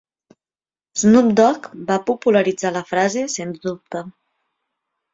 Snoop Dog va popularitzar la frase "Sens dubte".